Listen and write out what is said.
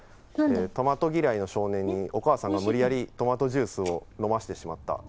トマト嫌いの少年にお母さんが無理やりトマトジュースを飲ませてしまった。